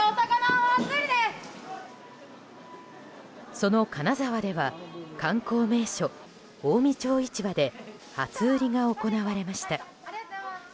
その金沢では観光名所近江町市場で初売りが行われました。